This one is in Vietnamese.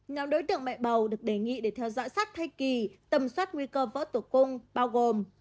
nhóm đối tượng mẹ bầu được đề nghị để theo dõi sát thay kỳ tầm soát nguy cơ vỡ tử cung bao gồm